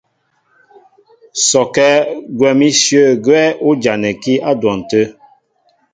Sɔkɛ́ gwɛ̌n íshyə̂ gwɛ́ ú janɛkí á dwɔn tə̂.